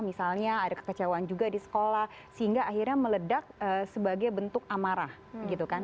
misalnya ada kekecewaan juga di sekolah sehingga akhirnya meledak sebagai bentuk amarah gitu kan